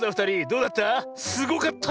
どうだった？